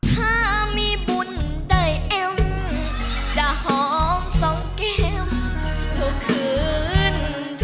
ถ้ามีบุญได้เอ็มจะหอมสองแก้มทุกคืน